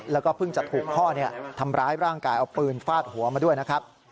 แล้วก็เพิ่งจะถูกพ่อทำร้ายร่างกายเอาปืนฟาดหัวมาด้วยนะครับ